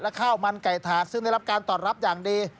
ข้าวมันไก่ถาดซึ่งได้รับการตอบรับอย่างดี